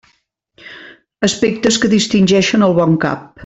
Aspectes que distingeixen el bon cap.